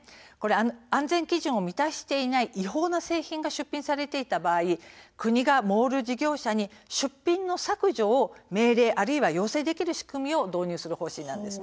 安全基準を満たしていない違法な製品が出品されていた場合国がモール事業者に出品の削除の命令あるいは要請できる仕組みを導入する方針なんです。